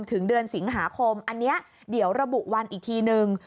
ถึงเดือนสิงหาคมอันนี้เดี๋ยวระบุวันอีกทีนึง